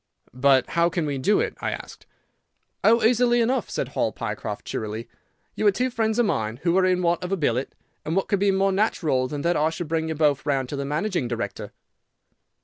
"But how can we do it?" I asked. "Oh, easily enough," said Hall Pycroft, cheerily. "You are two friends of mine who are in want of a billet, and what could be more natural than that I should bring you both round to the managing director?"